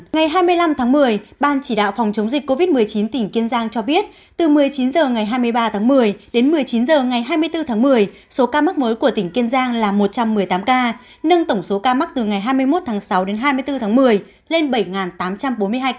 ngày hai mươi năm tháng một mươi ban chỉ đạo phòng chống dịch covid một mươi chín tỉnh kiên giang cho biết từ một mươi chín h ngày hai mươi ba tháng một mươi đến một mươi chín h ngày hai mươi bốn tháng một mươi số ca mắc mới của tỉnh kiên giang là một trăm một mươi tám ca nâng tổng số ca mắc từ ngày hai mươi một tháng sáu đến hai mươi bốn tháng một mươi lên bảy tám trăm bốn mươi hai ca